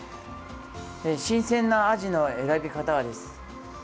新鮮なアジの選び方です。